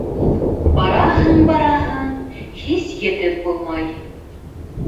Бараһың, бараһың, һис етеп булмай.